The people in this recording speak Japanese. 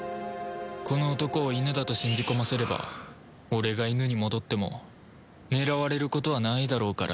この男をイヌだと信じ込ませれば俺がイヌに戻っても狙われることはないだろうからな